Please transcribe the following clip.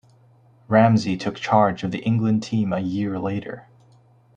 Ramsey took charge of the England team a year later.